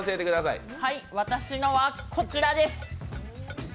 私のは、こちらです。